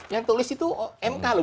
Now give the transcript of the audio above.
yang tulis itu mk loh